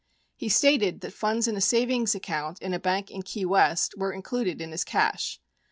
He stated that funds in a savings account in a bank in Key West were included in his cash.